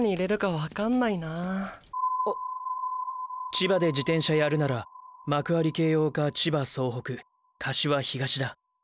「千葉で自転車やるなら幕張京葉か千葉総北柏東だ」